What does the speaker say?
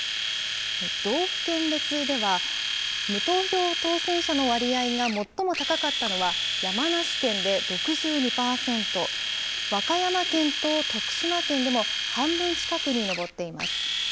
道府県別では、無投票当選者の割合が最も高かったのは山梨県で６２％、和歌山県と徳島県でも、半分近くに上っています。